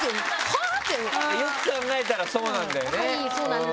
よく考えたらそうなんだよね。